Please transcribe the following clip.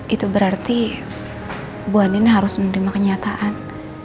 itu berarti bu anin harus menerima kenyataan